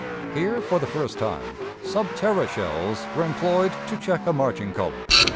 Here, for the first time, sub terra shells were employed to check a marching column.